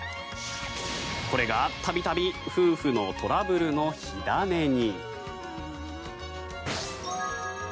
これが度々夫婦のトラブルの火種に。